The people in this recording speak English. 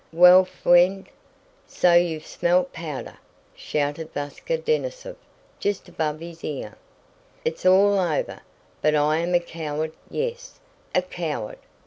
"Well, fwiend? So you've smelt powdah!" shouted Váska Denísov just above his ear. "It's all over; but I am a coward—yes, a coward!"